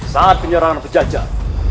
saat penyerangan berjajar